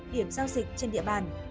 điểm giao dịch trên địa bàn